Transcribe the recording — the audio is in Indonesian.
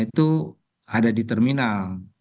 itu ada di terminal